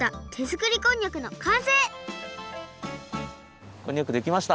こんにゃくできました。